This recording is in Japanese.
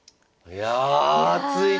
いや。